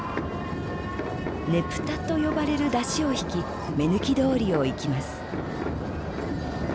ねぷたと呼ばれる山車を引き目抜き通りを行きます。